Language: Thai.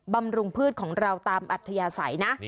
ำรุงพืชของเราตามอัธยาศัยนะ